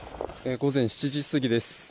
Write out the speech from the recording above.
午前７時過ぎです。